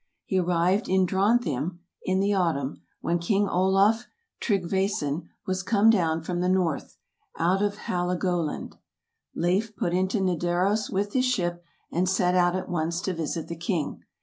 He arrived in Drontheim in the autumn, when King Olaf Tryggvason was come down from the North, out of Halago land. Leif put into Nidaros with his ship, and set out at once to visit the king.